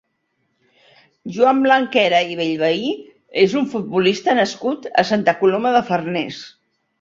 Joan Blanquera i Bellvehí és un futbolista nascut a Santa Coloma de Farners.